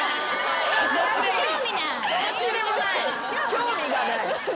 興味ない。